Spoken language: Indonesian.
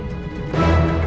aku mau pergi